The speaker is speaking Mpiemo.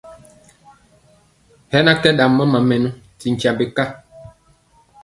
Hɛ na kɛ ɗam mama mɛnɔ ti nkyambe ka.